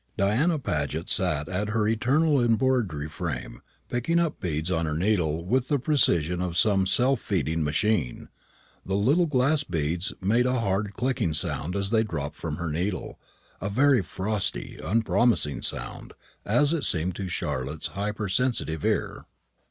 Diana Paget sat at her eternal embroidery frame, picking up beads on her needle with the precision of some self feeding machine. The little glass beads made a hard clicking sound as they dropped from her needle, a very frosty, unpromising sound, as it seemed to Charlotte's hyper sensitive ear.